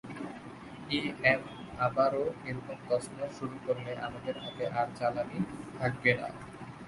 EM আবারও এরকম তছনছ শুরু করলে আমাদের হাতে আর জ্বালানি থাকবে না।